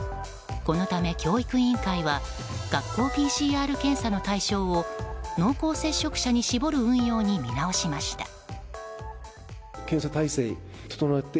このため教育委員会は学校ＰＣＲ検査の対象を濃厚接触者に絞る運用に見直しました。